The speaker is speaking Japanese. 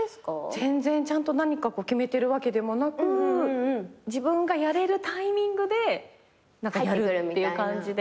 全然ちゃんと何か決めてるわけでもなく自分がやれるタイミングでやるっていう感じで。